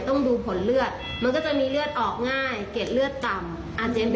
คุณผู้ชมค่ะแล้วเดี๋ยวมาเล่ารายละเอียดเพิ่มให้ฟังค่ะ